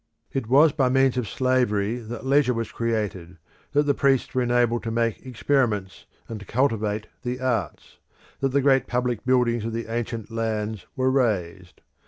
It was by means of slavery that leisure was created, that the priests were enabled to make experiments, and to cultivate the arts, that the great public buildings of the ancient lands were raised.